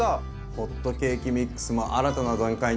ホットケーキミックスも新たな段階に突入ですね。